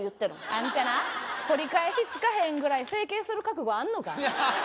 あんたな取り返しつかへんぐらい整形する覚悟あんのか？